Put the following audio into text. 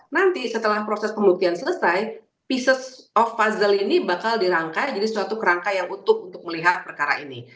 nanti setelah proses pembuktian selesai peaces of puzzle ini bakal dirangkai jadi suatu kerangka yang utuh untuk melihat perkara ini